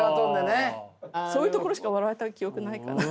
そういうところしか笑われた記憶ないかな。